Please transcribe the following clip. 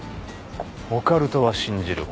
オカルトは信じる。